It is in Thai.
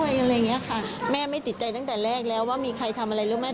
อะไรอะไรอย่างเงี้ยค่ะแม่ไม่ติดใจตั้งแต่แรกแล้วว่ามีใครทำอะไรรู้ไหม